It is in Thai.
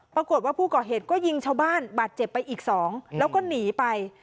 ปรากฏว่าผู้ก่อเหตุก็ยิงชาวบ้านบาดเจ็บไปอีกสองแล้วก็หนีไป